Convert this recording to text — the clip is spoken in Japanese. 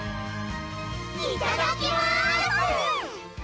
いただきます